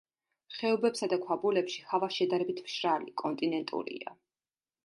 ხეობებსა და ქვაბულებში ჰავა შედარებით მშრალი, კონტინენტურია.